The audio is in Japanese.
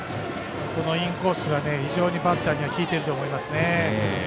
このインコースが非常にバッターには効いていると思います。